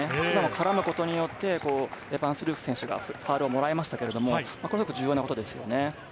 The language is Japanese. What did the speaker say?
絡むことでエヴァンス・ルーク選手がファウルをもらいましたけれども、これは重要なことですね。